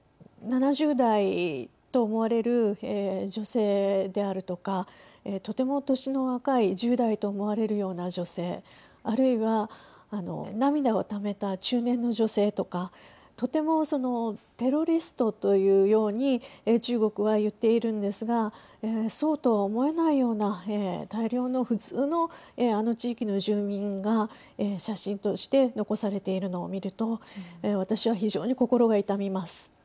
７０代と思われる女性であるとかとても年の若い１０代と思われるような女性あるいは涙をためた中年の女性とかとてもそのテロリストというように中国は言っているんですがそうとは思えないような大量の普通の地域の住民が写真として残されているのを見ると私は非常に心が痛みます。